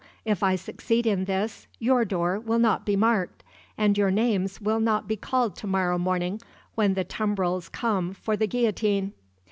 If I succeed in this, your door will not be marked, and your names will not be called to morrow morning when the tumbrils come for the guillotine.